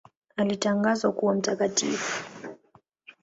Alitangazwa kuwa mtakatifu.